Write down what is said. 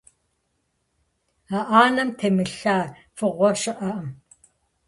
А ӏэнэм темылъа фӀыгъуэ щыӀэкъым.